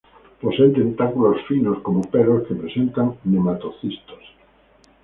Poseen tentáculos finos, como pelos, que presentan nematocistos.